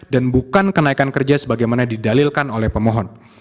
dan bukan kenaikan kerja sebagaimana didalilkan oleh pemohon